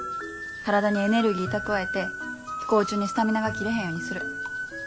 体にエネルギー蓄えて飛行中にスタミナが切れへんようにする。